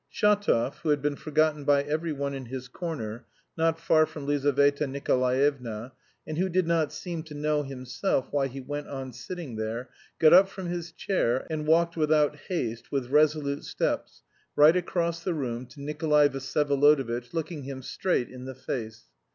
Shatov, who had been forgotten by every one in his corner (not far from Lizaveta Nikolaevna), and who did not seem to know himself why he went on sitting there, got up from his chair, and walked, without haste, with resolute steps right across the room to Nikolay Vsyevolodovitch, looking him straight in the face.